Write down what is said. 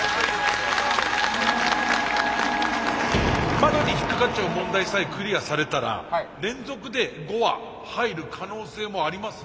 窓に引っ掛かっちゃう問題さえクリアされたら連続で５羽入る可能性もありますね。